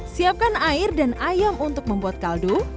siapkan air dan ayam untuk membuat kaldu